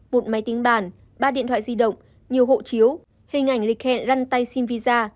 một máy tính bản ba điện thoại di động nhiều hộ chiếu hình ảnh lịch hẹn găn tay xin visa